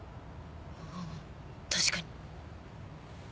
ああ確かに。